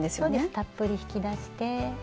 たっぷり引き出して。